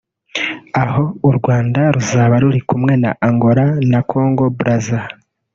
aho u Rwanda ruzaba ruri kumwe na Angola na Congo Brazza